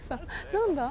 何だ？